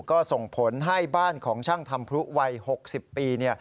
ก็ส่งผลให้บ้านของช่างทำพลุวัย๖๐ปี